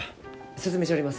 進めちょります。